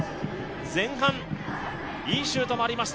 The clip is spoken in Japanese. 前半、いいシュートもありました。